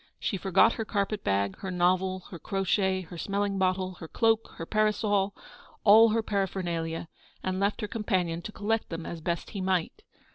She forgot her carpet bag, her novel, her crochet, her smelling bottle, her cloak, her parasol — all her para phernalia : and left her companion to collect them as best he might.